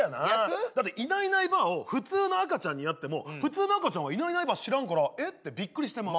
だっていないいないばあを普通の赤ちゃんにやっても普通の赤ちゃんはいないいないばあ知らんからえ？ってびっくりしてまう。